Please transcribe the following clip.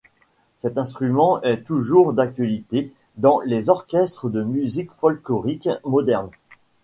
Cet instrument est toujours d'actualité dans les orchestres de musique folklorique moderne.